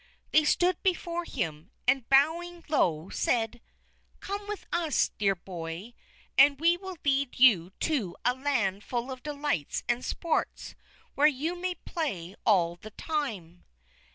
They stood before him, and, bowing low, said: "Come with us, dear boy, and we will lead you to a land full of delights and sports, where you may play all the time."